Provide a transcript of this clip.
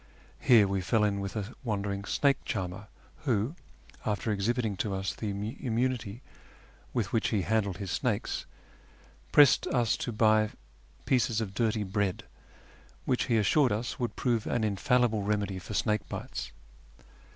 Here we fell in with a wandering snake charmer, who, after exhibiting to us the immunity with which he handled his snakes, pressed us to buy pieces of dirty bread, which he assured us would prove an infallible remedy for snake bites.